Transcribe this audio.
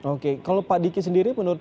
oke kalau pak diki sendiri menurut